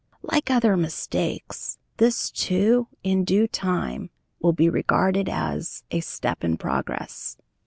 Like other "mistakes," this too, in due time, will be regarded as "a step in progress."